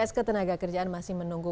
bpjs ke tenaga kerjaan masih menunggu